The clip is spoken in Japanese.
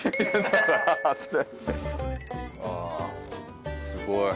ああすごい。